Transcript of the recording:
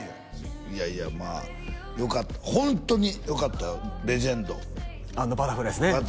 いやいやまあよかったホントによかったよ「レジェンド」「＆バタフライ」ですね